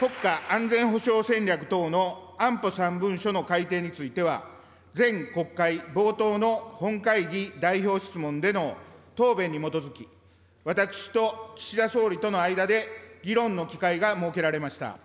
国家安全保障戦略等の安保３文書の改定については、前国会冒頭の本会議代表質問での答弁に基づき、私と岸田総理との間で議論の機会が設けられました。